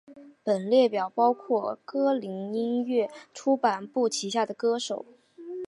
本列表包括歌林音乐出版部旗下歌手。